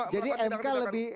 jadi mk lebih